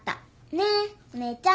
ねっお姉ちゃん。